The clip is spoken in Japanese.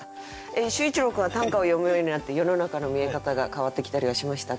秀一郎君は短歌を詠むようになって世の中の見え方が変わってきたりはしましたか？